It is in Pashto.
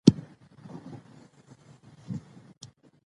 او غټ محرک ئې منفي سوچ وي -